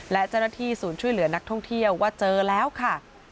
และเจ้าหน้าที่ศูนย์ช่วยเหลือนักท่องเที่ยวว่าเจอแล้วค่ะ